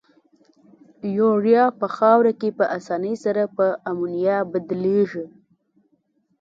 یوریا په خاوره کې په آساني سره په امونیا بدلیږي.